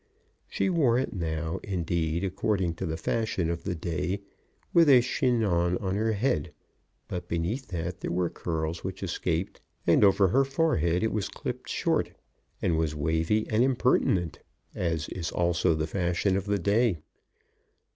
She wore it now, indeed, according to the fashion of the day, with a chignon on her head; but beneath that there were curls which escaped, and over her forehead it was clipped short, and was wavy, and impertinent, as is also the fashion of the day.